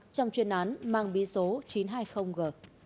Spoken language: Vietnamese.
trong chuyên án mang bí số chín trăm hai mươi g